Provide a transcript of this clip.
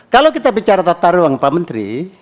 kalau kita bicara tata ruang pak menteri